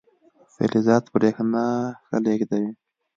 فلزات برېښنا ښه لیږدوي.